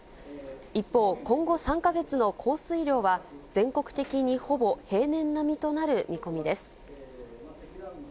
一方、今後３か月の降水量は、全国的にほぼ平年並みとなる見込みです。